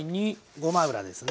ごま油ですね。